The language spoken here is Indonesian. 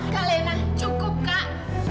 kak lena cukup kak